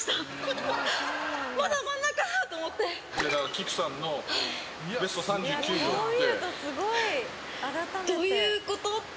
きくさんのベスト３９秒って。